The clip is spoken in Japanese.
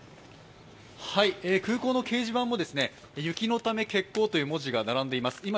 空港の掲示板も「雪のため欠航」という表記が並んでいます。